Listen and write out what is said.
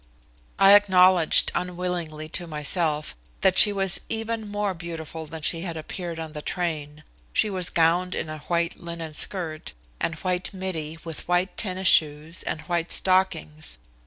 I acknowledged unwillingly to myself that she was even more beautiful than she had appeared on the train. She was gowned in a white linen skirt and white "middy," with white tennis shoes and white stockings.